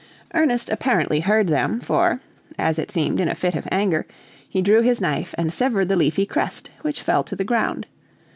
Ernest apparently heard them; for, as it seemed in a fit of anger, he drew his knife and severed the leafy crest, which fell to the ground.